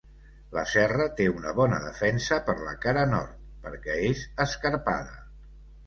La serra té una bona defensa per la cara nord, perquè és escarpada.